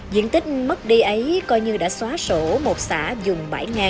diện tích mất đi ấy coi như đã xóa sổ một xã dùng bảy ngàn